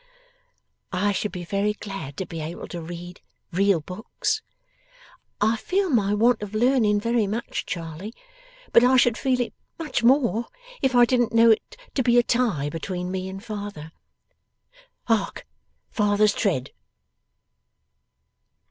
'I should be very glad to be able to read real books. I feel my want of learning very much, Charley. But I should feel it much more, if I didn't know it to be a tie between me and father. Hark! Father's tread!